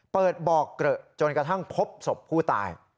เปิดบอกเกลอะจนกระทั่งพบศพผู้ตาย